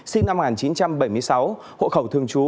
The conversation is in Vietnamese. sinh năm một nghìn chín trăm bảy mươi sáu hộ khẩu thường trú